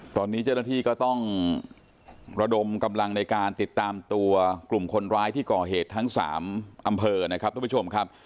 ตอนนี้เจ้าหน้าที่ก็ต้องระดมกำลังในการติดตามตัวกลุ่มคนร้ายที่ก่อเหตุทั้ง๓อำเภอนะครับทุกผู้ชมครับ